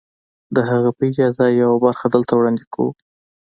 د هغه په اجازه يې يوه برخه دلته وړاندې کوو.